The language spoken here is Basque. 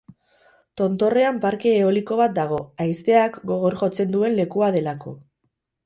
Tontorrean parke eoliko bat dago, haizeak gogor jotzen duen lekua delako.